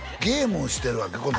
ゲームをしてるわけ？